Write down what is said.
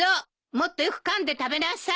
もっとよくかんで食べなさい！